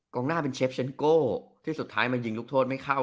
งหน้าเป็นเชฟเซ็นโก้ที่สุดท้ายมายิงลูกโทษไม่เข้า